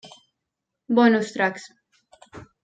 Bonus tracks